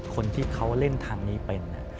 คนที่เขาเล่นทางนี้เป็น